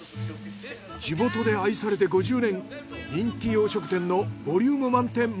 地元で愛されて５０年人気洋食店のボリューム満点